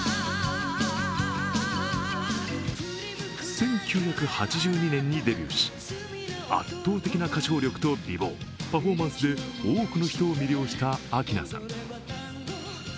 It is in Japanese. １９８２年にデビューし、圧倒的な歌唱力と美貌、パフォーマンスで多くの人を魅了した明菜さん。